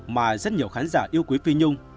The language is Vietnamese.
mà rất nhiều khán giả yêu quý phi nhung